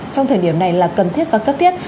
trong thời điểm này là cần thiết và cấp thiết